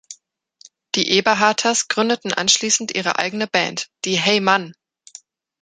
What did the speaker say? Die Eberharters gründeten anschließend ihre eigene Band, die Hey Mann!